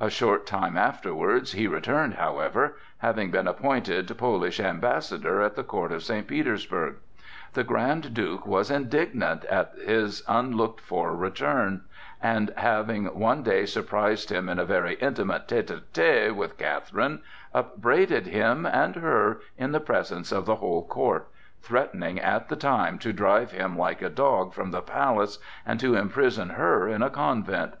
A short time afterwards he returned, however, having been appointed Polish Ambassador at the court of St. Petersburg. The Grand Duke was indignant at his unlooked for return, and having one day surprised him in a very intimate tête à tête with Catherine, upbraided him and her in the presence of the whole court, threatening at the time to drive him like a dog from the palace, and to imprison her in a convent.